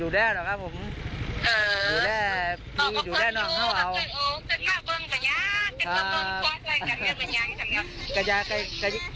แล้วพี่สาวกลับไปอยู่ที่อุดรธานี